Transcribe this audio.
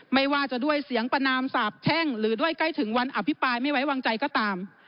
ไม่ว่าจะด้วยเสียงประนามสาบแช่งหรือด้วยใกล้ถึงวันอภิปรายไม่ไว้วางใจก็ตาม